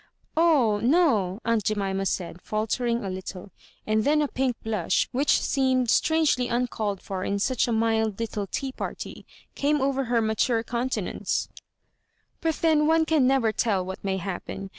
" Oh, no!" aunt Jemima said, faltering a little, and then a pink blush, which seemed strangely uncalled for in such a mild little tea party, came over her mature countenance ;" but then one can never tell what may happen.